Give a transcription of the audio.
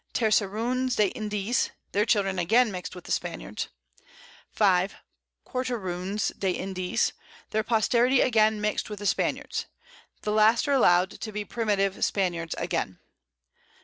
Terceroons de Indies, their Children again mix'd with the Spaniards. 5. Quarteroons de Indies, their Posterity again mix'd with the Spaniards. These last are allowed to be Primitive Spaniards again.